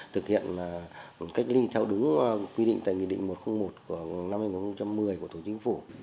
thực hiện cách ly theo đúng quy định tại nghị định một trăm linh một của năm hai nghìn một mươi